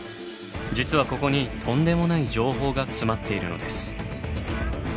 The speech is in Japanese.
実はここにとんでもない情報が詰まっているのです。